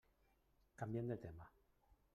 Canviem de tema.